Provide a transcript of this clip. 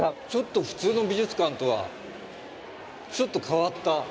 ちょっと普通の美術館とはちょっと変わった。